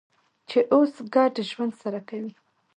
چې اوس ګډ ژوند سره کوي.